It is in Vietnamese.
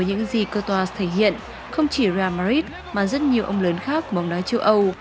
những gì cottois thể hiện không chỉ real madrid mà rất nhiều ông lớn khác của bóng đá châu âu